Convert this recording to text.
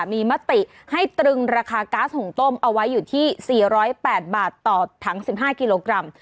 มีมติให้ตรึงราคาก๊าซหุ่งต้มเอาไว้อยู่ที่๔๐๘บาทต่อถัง๑๕กิโลกรัม